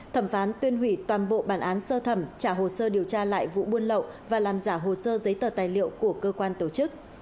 thẩm phán tuyên hủy toàn bộ bản án sơ thẩm trả hồ sơ điều tra lại vụ buôn lậu và làm giả hồ sơ giấy tờ tài liệu của cơ quan tổ chức